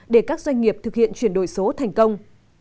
để các doanh nghiệp thực hiện chuyển đổi số thành công